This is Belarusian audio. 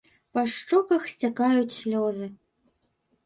Па шчоках сцякаюць слёзы.